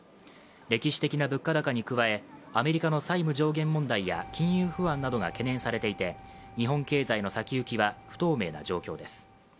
歴史的な物価高に加えアメリカの債務上限問題や金融不安などが懸念されていて日本経済の先行きは不透明な状況です。